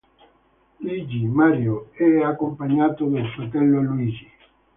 Luigi: Mario è accompagnato dal fratello Luigi.